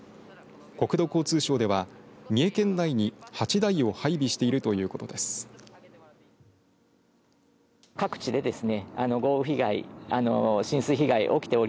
国土交通省では三重県内に８台を配備しているということです。